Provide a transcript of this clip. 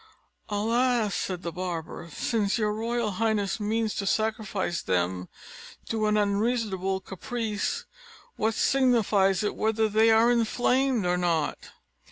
"Alas!" said the barber, "since your royal highness means to sacrifice them to an unreasonable caprice, what signifies it whether they are inflamed or not?"